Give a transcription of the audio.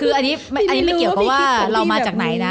คืออันนี้ไม่เกี่ยวกับว่าเรามาจากไหนนะ